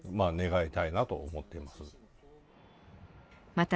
また、